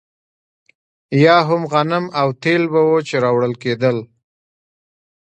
یا هم غنم او تېل به وو چې راوړل کېدل.